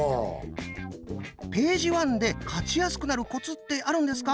ページワンで勝ちやすくなるコツってあるんですか？